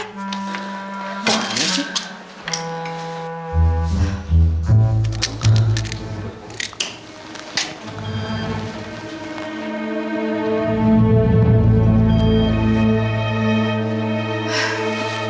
apaan ini sih